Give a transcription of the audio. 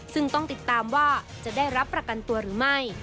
ซึ่งต้องติดตามว่าจะได้รับประกันตัวหรือไม่